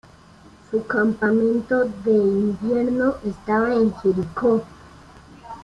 Su campamento de invierno estaba en Jericó.